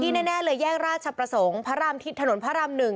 ที่แน่แน่เลยแยกราชประสงค์พระรามทิศถนนพระรามหนึ่ง